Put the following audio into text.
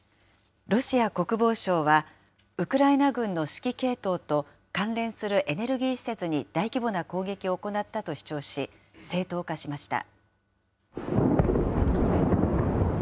ロシア国防省は、ウクライナ軍の指揮系統と関連するエネルギー施設に大規模な攻撃を行ったと主張し、正当化しました。